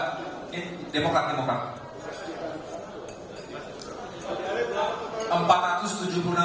tidak ini demo kelamin